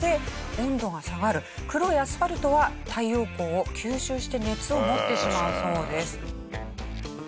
黒いアスファルトは太陽光を吸収して熱を持ってしまうそうです。